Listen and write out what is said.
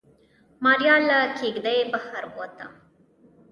ماريا له کېږدۍ بهر ووته.